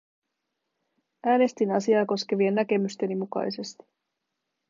Äänestin asiaa koskevien näkemysteni mukaisesti.